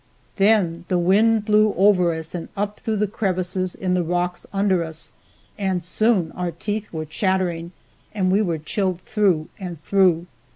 Then the wind blew over us and up through the crevices in the rocks under us and soon our teeth were chattering and we were chilled through and through.